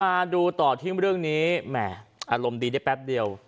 มาดูต่อที่เรื่องนี้แหม่อารมณ์ดีได้แป๊บเดียว